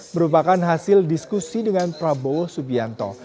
merupakan hasil diskusi dengan prabowo subianto